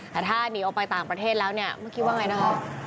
แต่ถ้านีออกไปต่างประเทศแล้วเมื่อกี้ว่าอย่างไรนะครับ